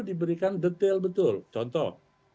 diberikan detail betul contoh